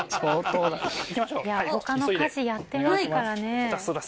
いや他の家事やってますからね。